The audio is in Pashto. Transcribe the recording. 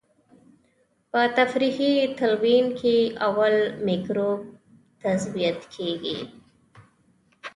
په تفریقي تلوین کې اول مکروب تثبیت کیږي.